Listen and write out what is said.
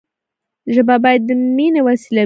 ژبه باید د ميني وسیله وي.